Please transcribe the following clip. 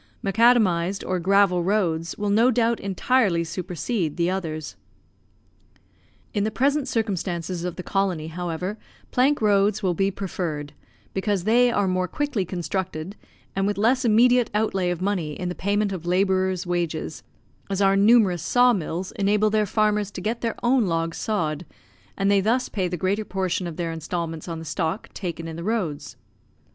Macadamised or gravel roads will no doubt entirely supersede the others. In the present circumstances of the colony, however, plank roads will be preferred, because they are more quickly constructed, and with less immediate outlay of money in the payment of labourers' wages, as our numerous saw mills enable the farmers to get their own logs sawed, and they thus pay the greater portion of their instalments on the stock taken in the roads.